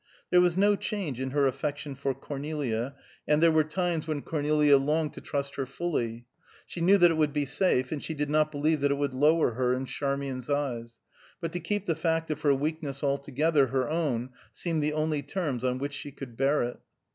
There was no change in her affection for Cornelia; and there were times when Cornelia longed to trust her fully; she knew that it would be safe, and she did not believe that it would lower her in Charmian's eyes; but to keep the fact of her weakness altogether her own seemed the only terms on which she could bear it.